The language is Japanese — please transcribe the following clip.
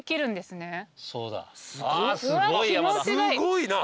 すごいな。